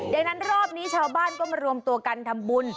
ดังนั้นรอบนี้ชาวบ้านก็มารวมตัวกันทำบุญ